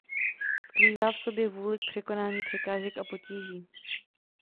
Skrývá v sobě vůli k překonání překážek a potíží.